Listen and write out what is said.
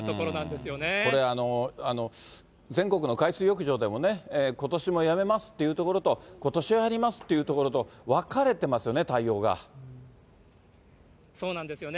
これ、全国の海水浴場でもね、ことしもやめますという所と、ことしはやりますっていうところと、分かれてますよね、そうなんですよね。